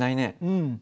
うん。